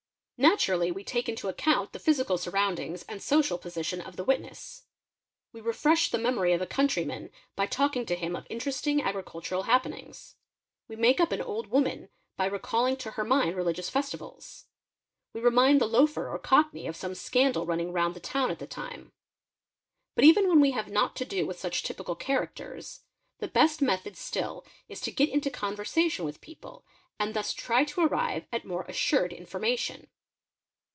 . Naturally we take into account the physical surroundings and social : 'position of the witness. We refresh the memory of a countryman by : talking to him of interesting agricultural happenings: we wake up an old 4 'woman by recalling to her mind religious festivals ; we remind the loafer ~ or cockney of some scandal running round the town at the time. But even when we have not to do with such typical characters, the best method still is to get into conversation with people and thus try to arrive at more — assured information.